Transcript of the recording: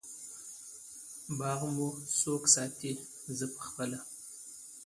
باغ مو څوک ساتی؟ زه پخپله